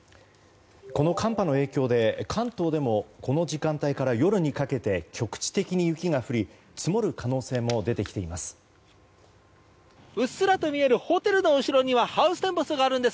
この寒波の影響で関東でもこの時間帯から夜にかけて局地的に雪が降り積もる可能性も出てきています。